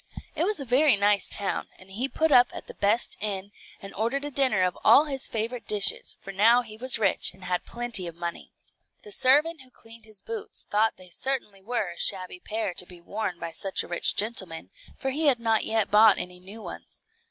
It was a very nice town, and he put up at the best inn, and ordered a dinner of all his favorite dishes, for now he was rich and had plenty of money. The servant, who cleaned his boots, thought they certainly were a shabby pair to be worn by such a rich gentleman, for he had not yet bought any new ones.